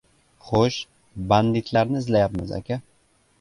— Xo‘sh, banditlarni izlayapmiz, aka.